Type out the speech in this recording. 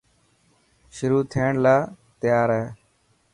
شروع ٿيڻ لا تيار هي.